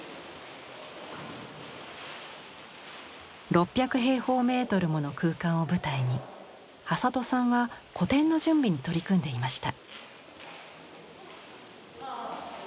６００平方メートルもの空間を舞台に挾土さんは個展の準備に取り組んでいました。